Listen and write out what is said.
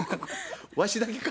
わしだけか？